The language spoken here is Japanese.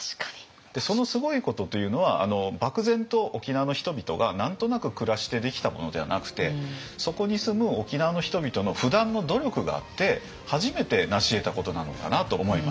そのすごいことというのは漠然と沖縄の人々が何となく暮らしてできたものでなくてそこに住む沖縄の人々の不断の努力があって初めてなしえたことなのかなと思いました。